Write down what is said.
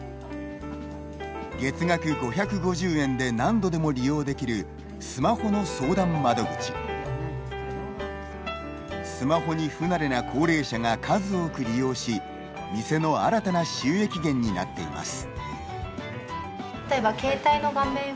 月額５５０円で何度でも利用できるスマホに不慣れな高齢者が数多く利用し店の新たな収益源になっています。